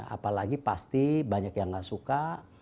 apalagi pasti banyak yang gak suka